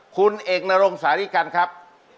คุณเอกนารงสาระนี้กันครับ